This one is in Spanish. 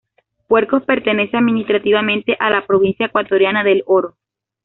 Puercos pertenece administrativamente a la provincia ecuatoriana de El Oro.